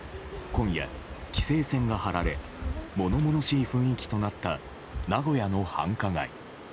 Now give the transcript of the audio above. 今夜、規制線が張られ物々しい雰囲気となった名古屋の繁華街。